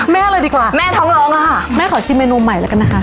เลยดีกว่าแม่ท้องร้องแล้วค่ะแม่ขอชิมเมนูใหม่แล้วกันนะคะ